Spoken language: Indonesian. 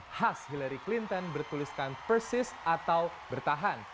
khas hillary clinton bertuliskan persis atau bertahan